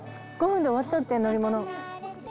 ５分で終わっちゃうって乗り物。